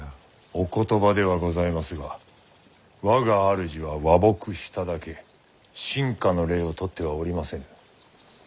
お言葉ではございますが我が主は和睦しただけ臣下の礼をとってはおりませぬ。